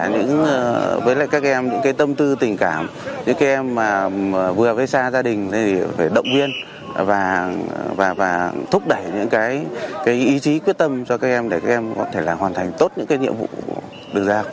những em vừa với xa gia đình phải động viên và thúc đẩy những ý chí quyết tâm cho các em để các em hoàn thành tốt những nhiệm vụ được giao